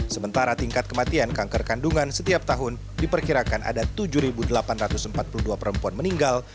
sementara tingkat kematian kanker kandungan setiap tahun diperkirakan ada tujuh delapan ratus empat puluh dua perempuan meninggal